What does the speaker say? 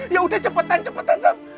ya udah cepetan cepetan